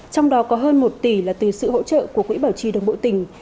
trong đó có hơn một tỷ là từ sự hỗ trợ của quỹ bảo trì đường bộ tỉnh